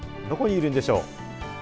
どこにいるんでしょう。